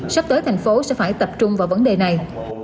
sắp tới tp hcm sẽ phải tập trung vào vấn đề này